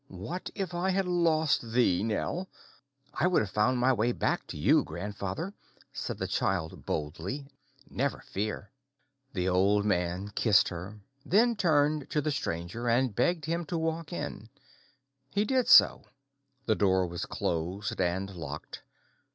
What if I had lost thee, Nell!" "I would have found my way back to you, grandfather," said the child boldly. "Never fear." The old man kissed her, then turned to the stranger, and begged him to walk in. He did so. The door was closed and locked.